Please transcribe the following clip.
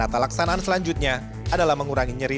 halaksanaan selanjutnya adalah mengurangi nyeri